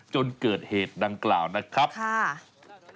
จนเกิดเหตุดังกล่าวนะครับค่ะ